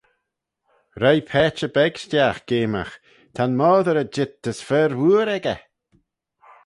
Roie paitçhey beg stiagh geamagh; "Ta'n moddey er jeet as fer wooar echey!"